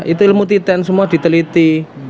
itu ilmu titen semua diteliti